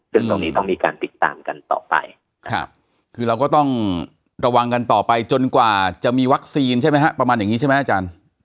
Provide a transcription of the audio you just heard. ซึ่งตรงนี้ต้องมีการติดตามกันต่อไปครับคือเราก็ต้องระวังกันต่อไปจนกว่าจะมีวัคซีนใช่ไหมฮะประมาณอย่างนี้ใช่ไหมอาจารย์